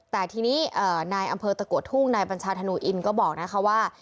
แต่ทีนี้นายอำเภอตะกัวทุ่งนายบัญชาธนูอินก็บอกนะคะว่า